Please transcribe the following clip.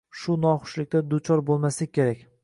Shu noxushlikka duchor bo’lmaslik kerak.